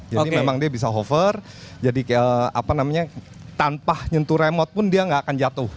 jadi memang dia bisa hover jadi kayak apa namanya tanpa nyentuh remote pun dia gak akan jatuh